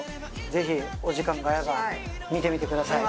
ぜひお時間が合えば見てみてください